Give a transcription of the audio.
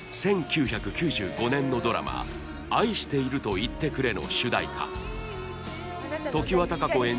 １９９５年のドラマ「愛していると言ってくれ」の主題歌常盤貴子